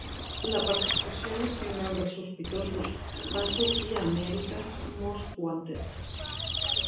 La persecució nacional dels sospitosos va sortir a "America's Most Wanted".